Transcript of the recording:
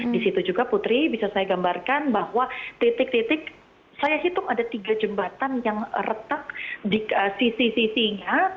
di situ juga putri bisa saya gambarkan bahwa titik titik saya hitung ada tiga jembatan yang retak di sisi sisinya